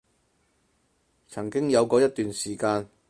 曾經有過一段時間